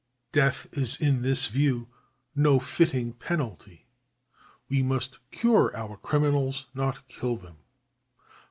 Death is in this view no fitting penalty ; we must cure our criminals, not kill them.